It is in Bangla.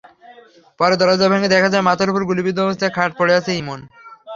পরে দরজা ভেঙে দেখা যায়, মাথায় গুলিবিদ্ধ অবস্থায় খাটে পড়ে আছে ইমন।